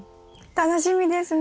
楽しみですね。